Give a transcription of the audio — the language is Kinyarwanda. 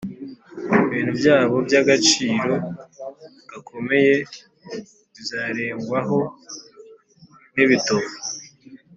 ibintu byabo by’agaciro gakomeye bizarengwaho n’ibitovu,